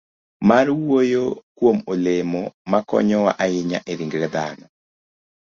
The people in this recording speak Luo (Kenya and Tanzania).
mar wuoyo kuom olemo makonyowa ahinya e ringre dhano,